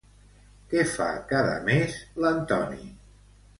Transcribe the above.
Què fa cada mes l'Antoni?